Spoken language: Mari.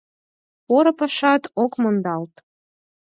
Поро пашат ок мондалт».